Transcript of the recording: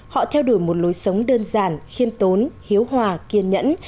họ theo đuổi một lối sống đơn giản khiêm tốn hiếu hòa kiên nhẫn